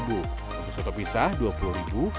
untuk soto pisah rp dua puluh